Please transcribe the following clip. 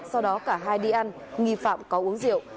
sau đó cả hai đi ăn nghi phạm có uống rượu